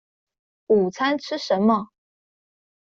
午餐吃什麼